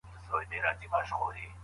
ډاکټران د واکسین اغېزې څاري.